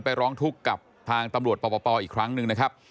ร้องทุกข์กับทางตำรวจปปอีกครั้งหนึ่งนะครับ